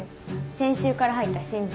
先週から入った新人。